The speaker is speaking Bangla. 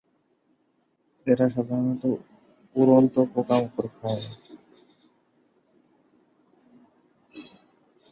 এরা সাধারণত উড়ন্ত পোকামাকড় খায়।